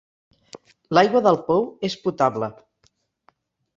L'aigua del pou és potable.